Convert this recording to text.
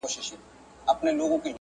په سپورږمۍ كي ستا تصوير دى